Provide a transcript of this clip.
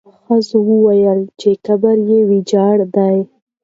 ښځو وویل چې قبر یې ویجاړ دی.